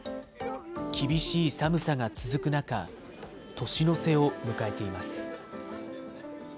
厳しい寒さが続く中、年の瀬を迎えています。